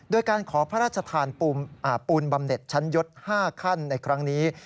โดยการขอพระราชทานปูนบำเน็ตชั้นยศ๕ขั้นในครั้งนี้